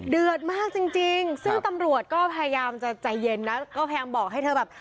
เดือดมากจริงซึ่งตำรวจก็พยายามจะใจเย็นนะก็พยายามบอกให้เธอแบบ